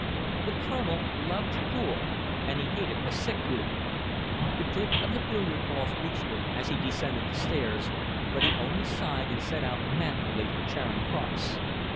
The Colonel loved pool, and he hated a sick room. The click of the billiard balls reached him as he descended the stairs, but he only sighed and set out manfully for Charing Cross.